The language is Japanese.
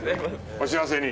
お幸せに！